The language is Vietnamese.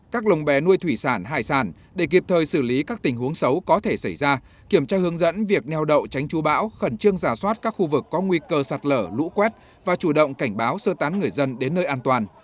các lồng bé nuôi thủy sản hải sản để kịp thời xử lý các tình huống xấu có thể xảy ra kiểm tra hướng dẫn việc neo đậu tránh chú bão khẩn trương giả soát các khu vực có nguy cơ sạt lở lũ quét và chủ động cảnh báo sơ tán người dân đến nơi an toàn